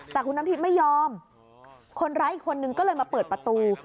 แต่คุณน้ำทิพย์ไม่ยอมคนร้ายอีกคนนึงก็เลยมาเปิดประตู